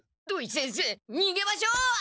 土井先生にげましょう！